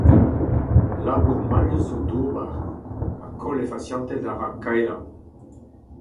Labour mallus zo d’ober ha koll he fasianted a ra Kaela.